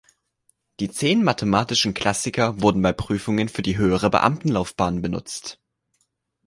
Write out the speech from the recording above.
Die Zehn Mathematischen Klassiker wurden bei Prüfungen für die höhere Beamtenlaufbahn benutzt.